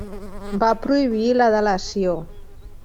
Va prohibir la delació.